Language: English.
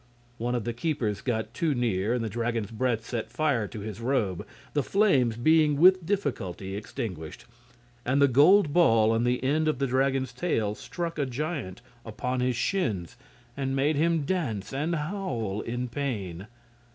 One of the keepers got too near and the Dragon's breath set fire to his robe, the flames being with difficulty extinguished; and the gold ball on the end of the Dragon's tail struck a giant upon his shins and made him dance and howl in pain.